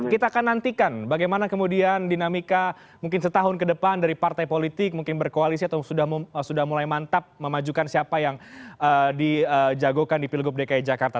kita akan nantikan bagaimana kemudian dinamika mungkin setahun ke depan dari partai politik mungkin berkoalisi atau sudah mulai mantap memajukan siapa yang dijagokan di pilgub dki jakarta